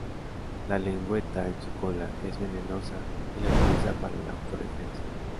La lengüeta en su cola es venenosa y la utiliza para la autodefensa.